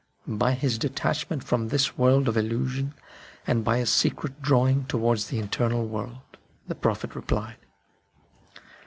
" By his detachment from this world of illusion and by a secret draw ing towards the eternal world," the Prophet replied.